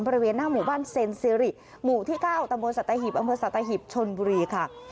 บริเวณหน้าหมู่บ้านเซ็นซิริหมู่ที่๙ตำบลสัตหิบอำเภอสัตหิบชนบุรีค่ะ